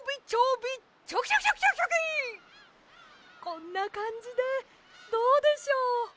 こんなかんじでどうでしょう？